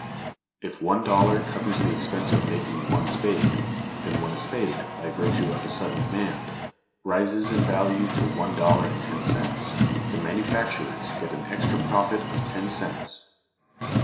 If one dollar covers the expense of making one spade, then when a spade, by virtue of a sudden demand, rises in value to one dollar and ten cents, the manufacturers get an extra profit of ten cents.